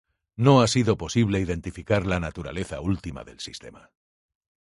No ha sido posible identificar la naturaleza última del sistema.